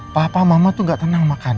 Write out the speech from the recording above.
papa mama tuh gak tenang makan